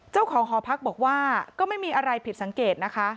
เจ้าของหอพักบอกว่าก็ไม่มีอะไรผิดสังเกตนะคะ